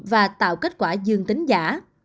và tạo kết quả dương tính giả